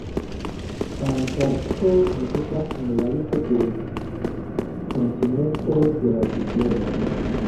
Antarkto ne estas en la listo de kontinentoj de la diplomo.